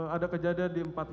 ada kejadian di empat puluh enam